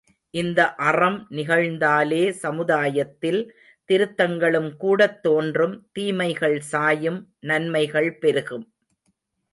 இந்த அறம் நிகழ்ந்தாலே சமுதாயத்தில் திருத்தங்களும் கூடத் தோன்றும் தீமைகள் சாயும் நன்மைகள் பெருகும்.